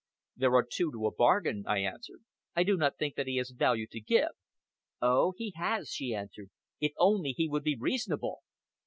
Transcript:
"There are two to a bargain," I answered. "I do not think that he has value to give." "Oh! he has," she answered, "if only he would be reasonable."